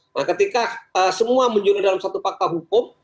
nah ketika semua muncul dalam satu fakta hukum